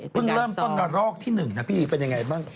เริ่มต้นกระรอกที่๑นะพี่เป็นยังไงบ้าง